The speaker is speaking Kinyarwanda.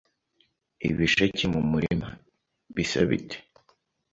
Ibisheke mu murima bias bite